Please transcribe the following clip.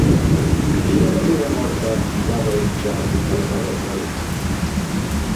Quina natura morta va realitzar Salvador Dalí?